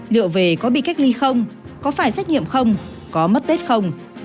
liệu về có bị cách ly không có phải xét nghiệm không có mất tết không